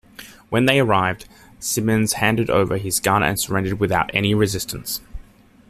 When they arrived, Simmons handed over his gun and surrendered without any resistance.